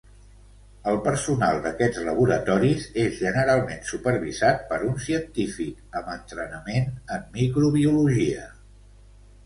El personal d’aquests laboratoris és generalment supervisat per un científic amb entrenament en microbiologia.